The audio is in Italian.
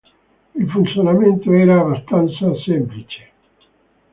Il funzionamento era abbastanza semplice.